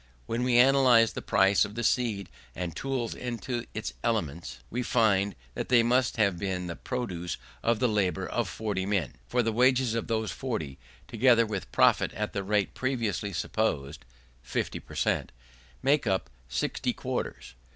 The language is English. When we analyse the price of the seed and tools into its elements, we find that they must have been the produce of the labour of 40 men: for the wages of those 40, together with profit at the rate previously supposed (50 per cent) make up 60 quarters.